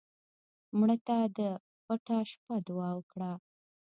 مړه ته د پټه شپه دعا وکړه